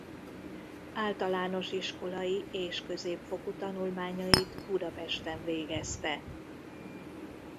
Általános iskolai és középfokú tanulmányait Budapesten végezte.